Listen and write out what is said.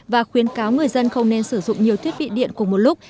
và khuyến cáo người dân không nên sử dụng nhiều thiết bị điện cùng một lúc